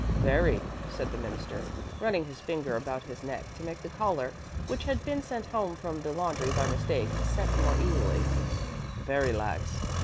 "Very," said the Minister, running his finger about his neck to make the collar which had been sent home from the laundry by mistake set more easily "very lax.